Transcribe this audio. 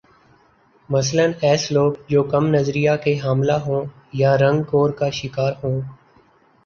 مثلا ایس لوگ جو کم نظریہ کے حاملہ ہوں یا رنگ کور کا شکار ہوں